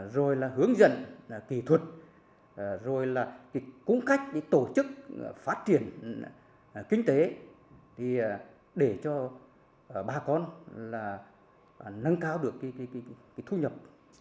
rồi là hướng dẫn kỹ thuật rồi là cũng cách để tổ chức phát triển kinh tế để cho bà con là nâng cao được cái thu nhập